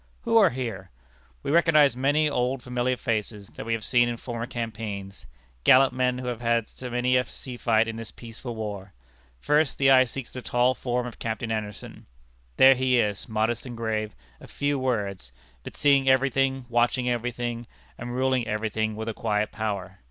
Who are here? We recognize many old familiar faces, that we have seen in former campaigns gallant men who have had many a sea fight in this peaceful war. First, the eye seeks the tall form of Captain Anderson. There he is, modest and grave, of few words, but seeing every thing, watching every thing, and ruling every thing with a quiet power.